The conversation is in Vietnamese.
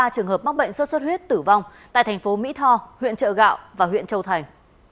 ba trường hợp mắc bệnh sốt xuất huyết tử vong tại thành phố mỹ tho huyện trợ gạo và huyện châu thành